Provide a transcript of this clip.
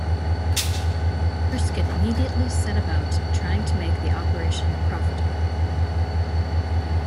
Erskine immediately set about trying to make the operation profitable.